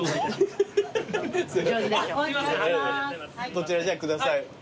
こちらじゃあ下さい。